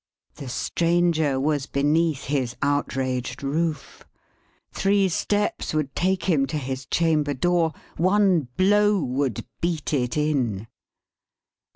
The Stranger was beneath his outraged roof. Three steps would take him to his chamber door. One blow would beat it in.